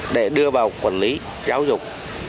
đưa vào quản lý giáo dục